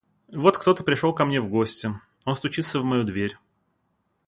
Вот кто-то пришел ко мне в гости; он стучится в мою дверь.